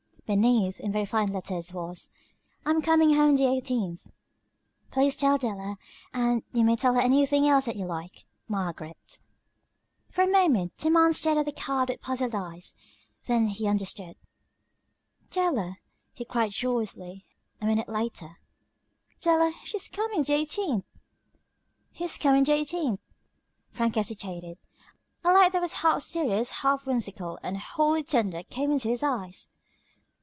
Beneath, in very fine letters was: "I'm coming home the eighteenth. Please tell Della; and you may tell her anything else that you like. Margaret." For a moment the man stared at the card with puzzled eyes; then he suddenly understood. "Della," he cried joyously, a minute later, "Della, she's coming the eighteenth!" "Who's coming the eighteenth?" Frank hesitated. A light that was half serious, half whimsical, and wholly tender, came into his eyes.